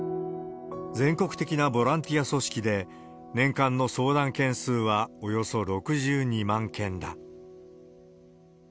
全国的なボランティア組織で、年間の相談件数はおよそ６２万件だ。